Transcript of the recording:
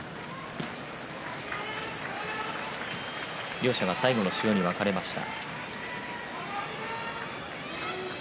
両者が最後の塩に分かれました。